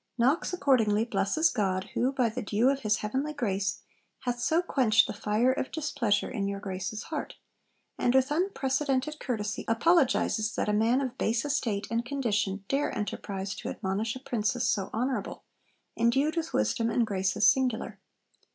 Knox accordingly blesses 'God, who by the dew of his heavenly grace, hath so quenched the fire of displeasure in your Grace's heart,' and with unprecedented courtesy apologises 'that a man of base estate and condition dare enterprise to admonish a Princess so honourable, endued with wisdom and graces singular.'